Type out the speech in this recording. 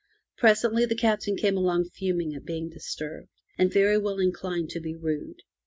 Presently the Captain came along fuming at being disturbed, and very well inclined to be rude.